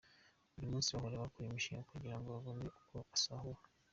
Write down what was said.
Buri munsi bahora bakora imishinga kugira ngo babone uko basahura.